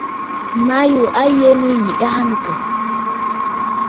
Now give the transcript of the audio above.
Ma yû a yə nɨ̂ yiʼi aa nɨ̂ àkə̀?